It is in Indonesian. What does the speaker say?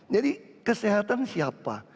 jadi kesehatan siapa